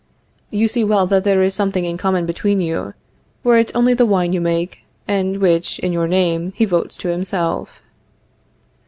You see well that there is something in common between you, were it only the wine you make, and which, in your name, he votes to himself.